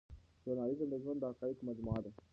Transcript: ژورنالیزم د ژوند د حقایقو مجموعه ده.